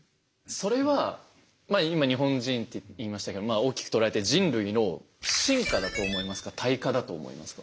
それは今日本人って言いましたけど大きく捉えて人類の進化だと思いますか？